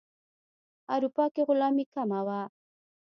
اروپا کې غلامي کمه وه.